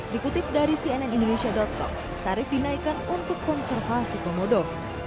dikutip dari cnnindonesia com tarif dinaikkan untuk konservasi komodo